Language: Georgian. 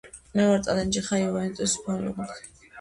მე ვარ წალენჯიხა იუენტუსის ფეხბურთელი